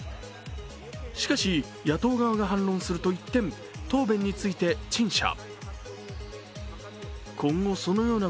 しかし、野党側が反論すると一転、答弁について陳謝。